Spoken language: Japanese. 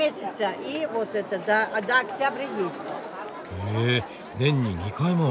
へえ年に２回も。